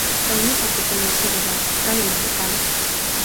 lon lupa pi tomo suli la, kalama li kama!